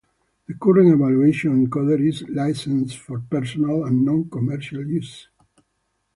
The current evaluation encoder is licensed for personal and non-commercial uses.